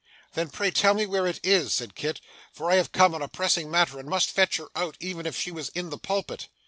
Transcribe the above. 'Then pray tell me where it is,' said Kit, 'for I have come on a pressing matter, and must fetch her out, even if she was in the pulpit.